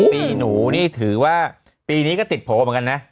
ปีหนูนี่ถือว่าปีนี้ก็ติดโผล่เหมือนกันนะ